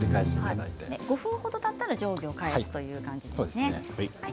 ５分ぐらいたったら上下を返すという感じですね。